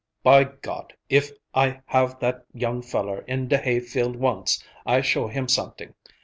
"By God! if I have that young feller in de hayfield once, I show him someting.